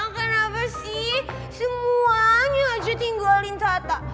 kenapa sih semuanya tinggalin tata